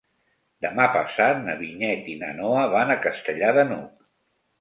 Demà passat na Vinyet i na Noa van a Castellar de n'Hug.